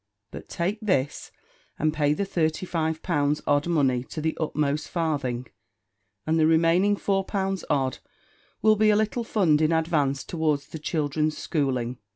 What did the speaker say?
But take this, and pay the thirty five pounds odd money to the utmost farthing; and the remaining four pounds odd will be a little fund in advance towards the children's schooling.